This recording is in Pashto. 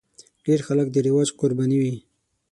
ډېر خلک د رواج قرباني وي.